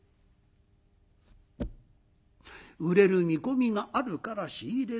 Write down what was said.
売れる見込みがあるから仕入れる。